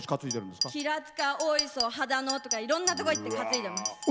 平塚、大磯、秦野とかいろんなとこ行って担いでます。